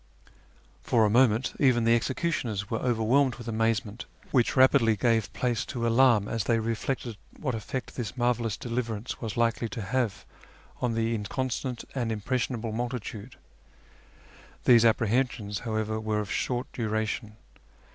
For a moment even the executioners were overwhelmed with amazement, which rapidly gave place to alarm as they reflected what efiect this marvellous deliverance was likely to have on the inconstant and impressionable multitude. These apprehensions, however, were of short duration.